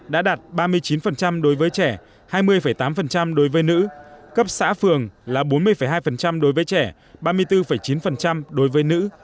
đối với trẻ hai mươi tám đối với nữ cấp xã phường là bốn mươi hai đối với trẻ ba mươi bốn chín đối với nữ